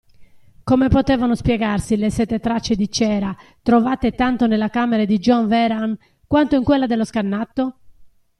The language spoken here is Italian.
Come potevano spiegarsi le sette tracce di cera, trovate tanto nella camera di John Vehrehan quanto in quella dello scannato?